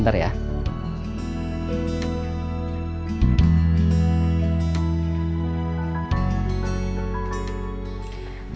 terima kasih ibu